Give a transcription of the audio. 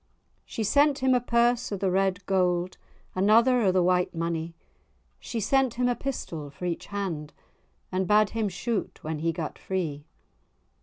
She sent him a purse of the red gowd, Another o' the white monie; She sent him a pistol for each hand, And bade him shoot when he gat free.